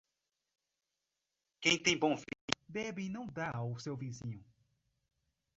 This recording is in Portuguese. Quem tem bom vinho, bebe e não dá ao seu vizinho.